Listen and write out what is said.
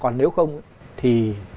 còn nếu không thì